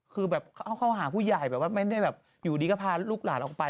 เขาหาผู้ใหญ่แบบว่าไม่ได้อยู่นี้ก็พาลูกหลานออกไป